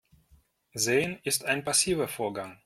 Sehen ist ein passiver Vorgang.